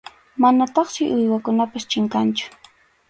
Manataqsi uywakunapas chinkanchu.